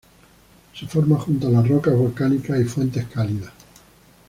Se forma junto a las rocas volcánicas y fuentes cálidas.